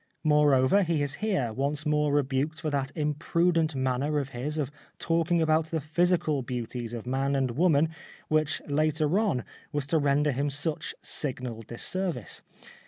Moreover, he is here once more rebuked for that imprudent manner of his of talking about the physical beauties of man and woman which later on was to render him such signal disservice.